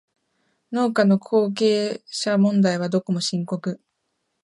農家の後継者問題はどこも深刻